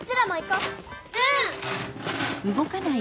うん！